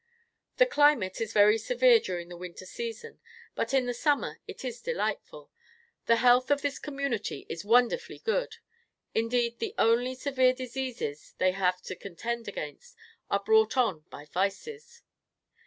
The climate is very severe during the winter season, but in the summer it is delightful. The health of this community is wonderfully good. Indeed, the only severe diseases they have to contend against are brought on by vices.